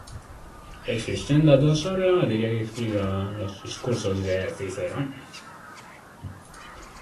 Existen datos sobre la materia que explicaba: los discursos de Cicerón.